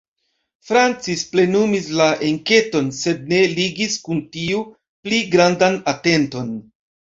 Francis plenumis la enketon, sed ne ligis kun tio pli grandan atenton.